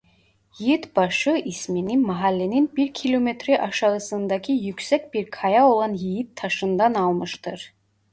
Yiğitbaşı ismini mahallenin bir kilometre aşağısındaki yüksek bir kaya olan yiğit taşından almıştır.